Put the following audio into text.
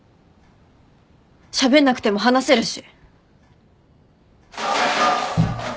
しゃべんなくても話せるし。